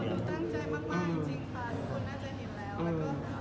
หนูตั้งใจมากจริงค่ะทุกคนอาจจะเห็นแล้ว